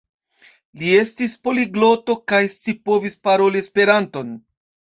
Li estis poligloto kaj scipovis paroli Esperanton.